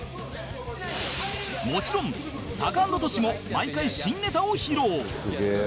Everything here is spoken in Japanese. もちろんタカアンドトシも毎回新ネタを披露